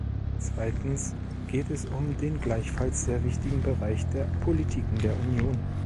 Zweitens geht es um den gleichfalls sehr wichtigen Bereich der Politiken der Union.